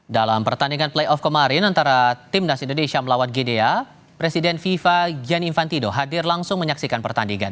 dalam pertandingan playoff kemarin antara timnas indonesia melawan gdea presiden fifa gianni infantido hadir langsung menyaksikan pertandingan